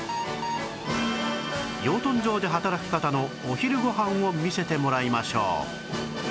養豚場で働く方のお昼ご飯を見せてもらいましょう